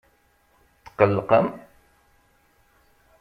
Tqelqem?